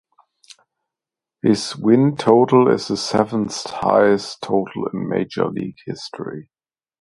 His win total is the seventh highest total in major league history.